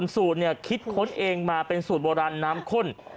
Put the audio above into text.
สูตรคิดค้นเองมาเป็นสูตรโบราณน้ำข้น